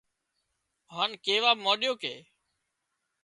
هان ڪيوا مانڏيو ڪي